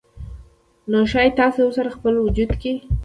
نو ښايي تاسې ورسره خپل وجود کې